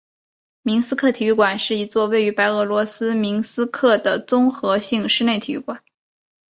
明斯克体育馆是一座位于白俄罗斯明斯克的综合性室内体育馆。